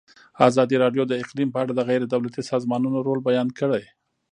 ازادي راډیو د اقلیم په اړه د غیر دولتي سازمانونو رول بیان کړی.